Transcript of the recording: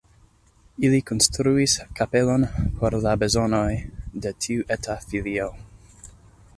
Ili konstruis kapelon por la bezonoj de tiu eta filio.